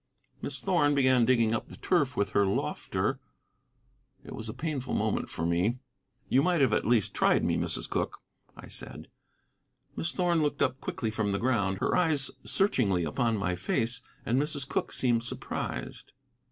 Miss Thorn began digging up the turf with her lofter: it was a painful moment for me. "You might at least have tried me, Mrs. Cooke," I said. Miss Thorn looked up quickly from the ground, her eyes searchingly upon my face. And Mrs. Cooke seemed surprised.